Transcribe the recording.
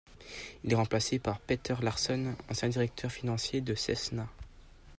Il est remplacé par Peter Larson, ancien directeur financier de Cessna.